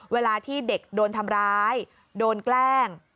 เวลาที่เด็กโดนทำร้ายโดนแกล้ง